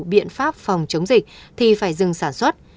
biện pháp phòng chống dịch thì phải dừng sản xuất